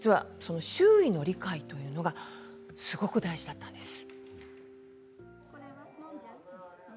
周囲の理解というのがすごく大事だったんです。